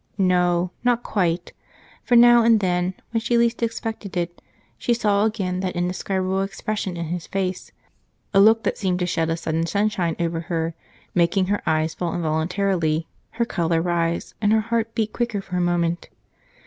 No, not quite, for now and then, when she least expected it, she saw again the indescribable expression on his face, a look that seemed to shed a sudden sunshine over her, making her eyes fall involuntarily, her color rise, and her heart beat quicker for a moment.